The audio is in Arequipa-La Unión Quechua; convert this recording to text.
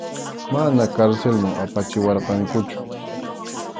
Mana karsilman apachiwarqankuchu.